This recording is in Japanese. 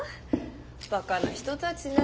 バカな人たちね。